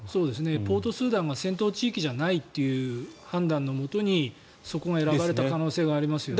ポートスーダンが戦闘地域じゃないという判断のもとに、そこが選ばれた可能性がありますよね。